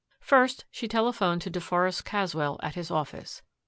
First she telephoned to deForest Caswell at his office.